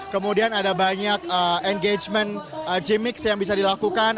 kemudian ada banyak engagement g mix yang bisa dilakukan